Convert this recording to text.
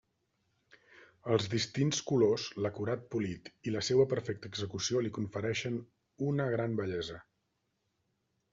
Els distints colors, l'acurat polit i la seua perfecta execució li conferixen una gran bellesa.